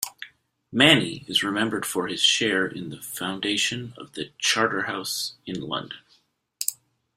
Manny is remembered for his share in the foundation of the Charterhouse in London.